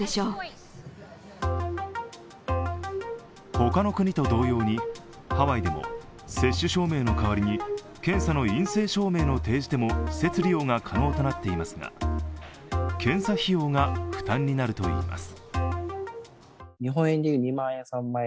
他の国と同様に、ハワイでも接種証明の代わりに検査の陰性証明の提示でも施設利用が可能となっていますが、検査費用が負担になるといいます。